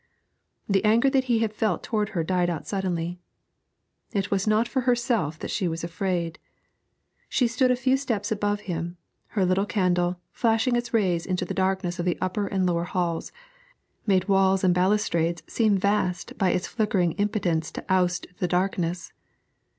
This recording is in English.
The anger that he had felt toward her died out suddenly. It was not for herself that she was afraid! She stood a few steps above him; her little candle, flashing its rays into the darkness of the upper and lower halls, made walls and balustrades seem vast by its flickering impotence to oust the darkness.